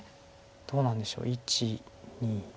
どうなんでしょう１２。